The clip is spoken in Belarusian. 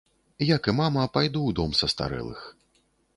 Як і мама, пайду ў дом састарэлых.